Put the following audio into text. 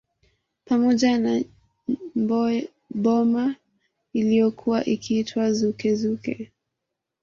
Pamoja na Nyboma iliyokuwa ikiitwa Zouke Zouke